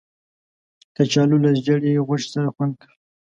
کچالو له زېړې غوښې سره خوند کوي